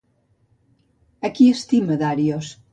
A qui estima Darios?